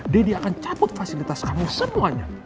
deddy akan cabut fasilitas kamu semuanya